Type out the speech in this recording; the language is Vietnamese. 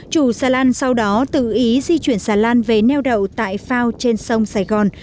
chủ xà lan sau đó tự ý di chuyển xà lan về neo đậu tại phao trên sông sài gòn